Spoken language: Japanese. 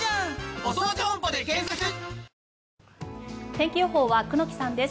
天気予報は久能木さんです